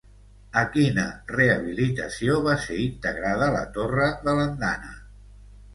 A quina rehabilitació va ser integrada la torre de l'Andana?